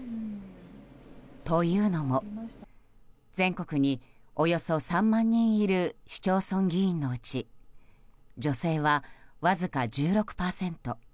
というのも全国におよそ３万人いる市町村議員のうち女性はわずか１６％。